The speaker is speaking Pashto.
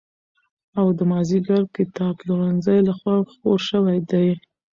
او د مازدېګر کتابپلورنځي له خوا خپور شوی دی.